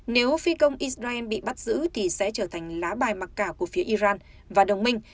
nếu phi công israel bị bắt giữ thì sẽ trở thành lá bài mặc cả của phía iran và đồng minh